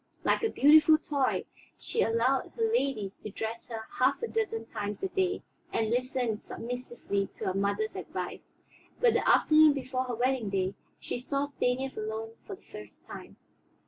Like a beautiful toy she allowed her ladies to dress her half a dozen times a day, and listened submissively to her mother's advice. But the afternoon before her wedding day, she saw Stanief alone for the first time.